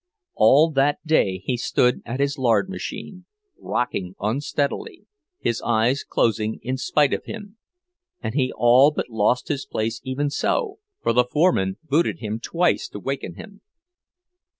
All that day he stood at his lard machine, rocking unsteadily, his eyes closing in spite of him; and he all but lost his place even so, for the foreman booted him twice to waken him.